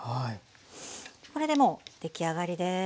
これでもう出来上がりです。